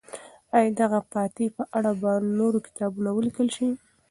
آیا د دغه فاتح په اړه به نور کتابونه ولیکل شي؟